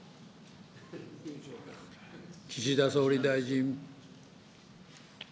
岸田総理大臣。